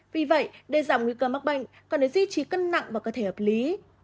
vì vậy để giảm nguy cơ mắc bệnh cần để duy trì cân nặng và cơ thể hợp lý